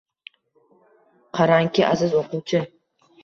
Qarang-ki, aziz o‘quvchi